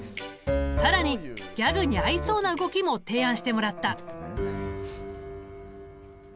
更にギャグに合いそうな動きも提案してもらった。